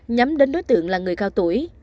nhắm đến đối tượng là người cao tuổi